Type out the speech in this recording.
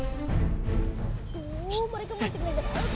ayo dong kasih selamat sama afi